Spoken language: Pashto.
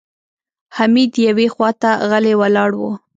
حميد يوې خواته غلی ولاړ و.